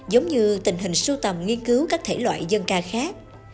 giống như tình hình sưu tầm nghiên cứu các thể loại dân ca khác